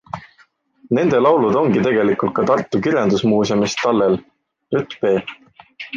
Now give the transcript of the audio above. Nende laulud ongi tegelikult ka Tartu kirjandusmuuseumis tallel - J. P.